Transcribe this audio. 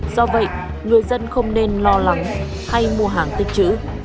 do vậy người dân không nên lo lắng hay mua hàng tích chữ